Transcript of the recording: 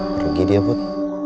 pergi dia put